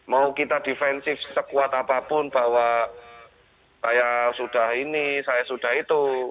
mau kita defensif sekuat apapun bahwa saya sudah ini saya sudah itu